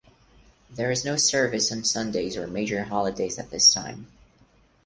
There is no service on Sundays or major holidays at this time.